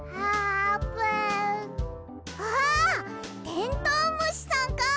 テントウムシさんか！